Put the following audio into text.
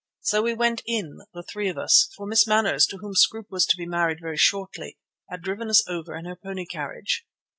So we went in, the three of us, for Miss Manners, to whom Scroope was to be married very shortly, had driven us over in her pony carriage.